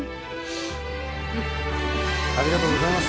ありがとうございます。